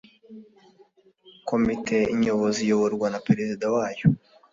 Komite Nyobozi iyoborwa na Perezida wayo